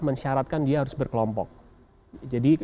dia harus berkelompok jadi